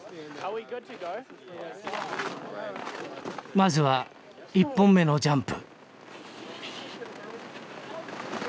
まずは１本目のジャンプ。